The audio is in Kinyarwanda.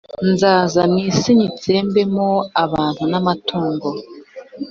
nzaza mu isi nyitsembemo abantu n’amatungo